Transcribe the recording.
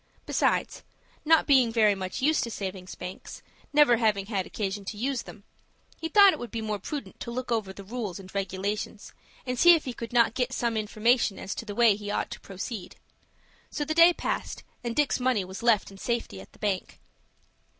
Besides, not being very much used to savings banks, never having had occasion to use them, he thought it would be more prudent to look over the rules and regulations, and see if he could not get some information as to the way he ought to proceed. So the day passed, and Dick's money was left in safety at the bank.